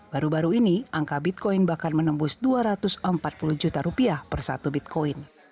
baru baru ini angka bitcoin bahkan menembus dua ratus empat puluh juta rupiah per satu bitcoin